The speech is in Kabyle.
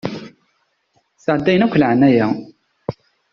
Sɛeddayen akk laɛnaya.